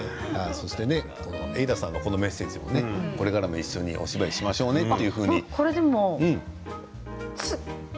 瑛太さんのメッセージもこれからも一緒にお芝居しましょうねと。